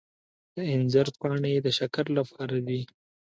د انځر پاڼې د شکر لپاره دي.